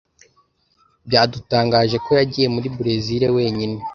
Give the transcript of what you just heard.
Byadutangaje ko yagiye muri Berezile wenyine.